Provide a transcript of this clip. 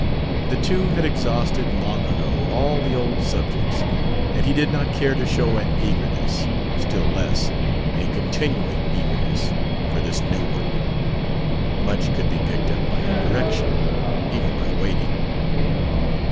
The two had exhausted long ago all the old subjects, and he did not care to show an eagerness still less, a continuing eagerness for this new one: much could be picked up by indirection, even by waiting.